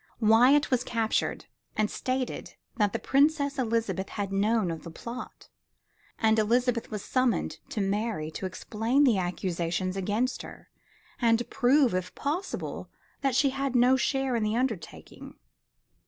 Wyatt was captured and stated that the Princess Elizabeth had known of the plot; and Elizabeth was summoned to Mary to explain the accusations against her and prove if possible that she had no share in the undertaking.